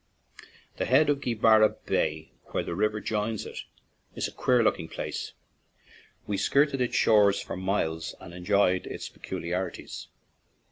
The head of Gweebarra Bay, where the river joins it, is a queer looking place; we skirted its shores for miles and enjoyed its peculiarities.